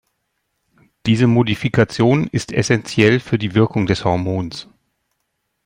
Diese Modifikation ist essentiell für die Wirkung des Hormons.